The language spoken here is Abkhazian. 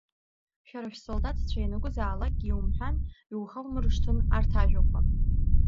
Шәара шәсолдаҭцәа ианакәызаалакгьы иумҳәан, иухаумыршҭын арҭ ажәақәа.